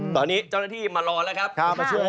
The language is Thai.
ตอนนี้เจ้าหน้าที่มารอนะคะ